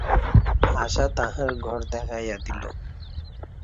আশা তাঁহার ঘর দেখাইয়া দিল।